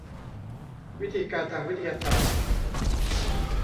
วิธีการทางวิทยาศาสตร์